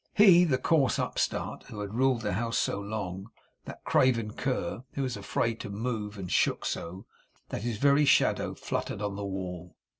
HE, the coarse upstart, who had ruled the house so long that craven cur, who was afraid to move, and shook so, that his very shadow fluttered on the wall!